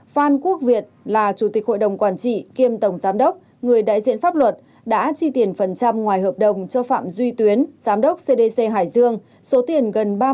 phan quốc việt là chủ tịch hội đồng quản trị kiêm tổng giám đốc người đại diện pháp luật đã chi tiền phần trăm ngoài hợp đồng cho phạm duy tuyến giám đốc cdc hải dương số tiền gần ba mươi tỷ đồng